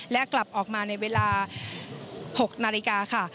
และกลับออกมาในเวลา๖นาฬิกาค่ะ